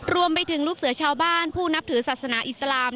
รวมไปถึงลูกเสือชาวบ้านผู้นับถือศาสนาอิสลาม